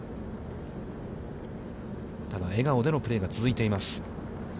ただ、笑顔でのプレーが続いています。